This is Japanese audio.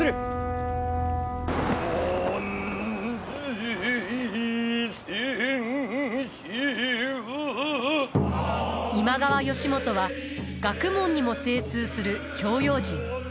万歳千秋今川義元は学問にも精通する教養人。